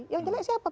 yang jelek siapa